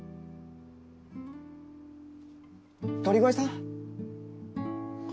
鳥越さん？